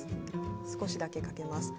少しだけかけます。